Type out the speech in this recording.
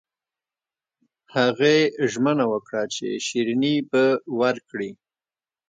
هغې ژمنه وکړه چې شیریني به ورکړي